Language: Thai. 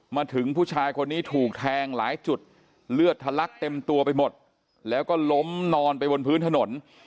มาถึงผู้ชายคนนี้ถูกแทงหลายจุดเลือดทะลักเต็มตัวไปหมดแล้วก็ล้มนอนไปบนพื้นถนน